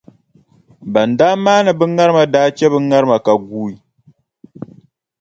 Ban daa maani bɛ ŋarima daa che bɛ ŋarima ka guui.